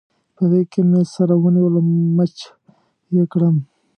په غېږ کې مې سره ونیول او مچ يې کړم.